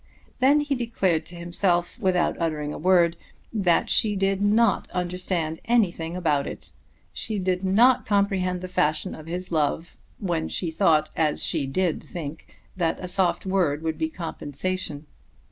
Then he declared to himself, without uttering a word, that she did not understand anything about it; she did not comprehend the fashion of his love when she thought, as she did think, that a soft word would be compensation.